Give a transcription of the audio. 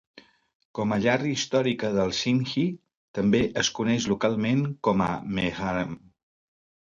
Com a llar històrica dels sindhi, també es coneix localment com a Mehran.